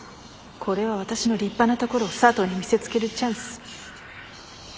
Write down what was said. これは私の立派なところを佐藤に見せつけるチャンス。